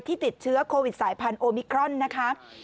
ติดเชื้อโควิดสายพันธุมิครอนนะคะ